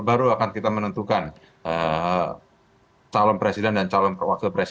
dan pak erlangga mengatakan dalam waktu beberapa bulan